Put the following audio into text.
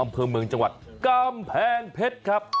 อำเภอเมืองจังหวัดกำแพงเพชรครับ